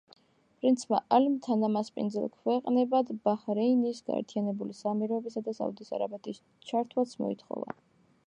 პრინცმა ალიმ თანამასპინძელ ქვეყნებად ბაჰრეინის, გაერთიანებული საამიროებისა და საუდის არაბეთის ჩართვაც მოითხოვა.